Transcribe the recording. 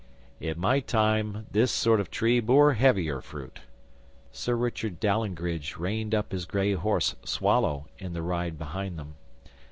'In my time this sort of tree bore heavier fruit.' Sir Richard Dalyngridge reined up his grey horse, Swallow, in the ride behind them.